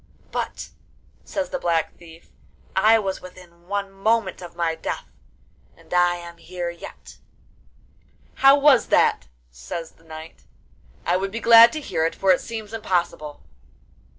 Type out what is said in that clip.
'But,' says the Black Thief, 'I was within one moment of my death, and I am here yet.' 'How was that?' says the knight; 'I would be glad to hear it, for it seems impossible.